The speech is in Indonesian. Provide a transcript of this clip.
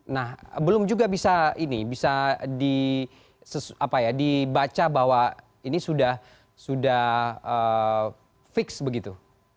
nah belum juga bisa ini bisa dibaca bahwa ini sudah fix begitu